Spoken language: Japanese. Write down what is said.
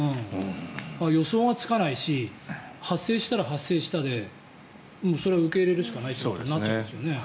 予想がつかないし発生したら発生したでそれは受け入れるしかないということになっちゃいますよね。